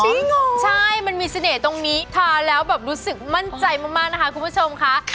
นี่ไงใช่มันมีเสน่ห์ตรงนี้ทานแล้วแบบรู้สึกมั่นใจมากนะคะคุณผู้ชมค่ะ